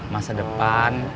ngobrolin apa di pinggir jalan